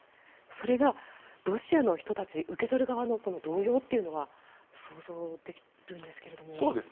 それが、ロシアの人たち受け取る側の動揺というのは想像できるんですけれども。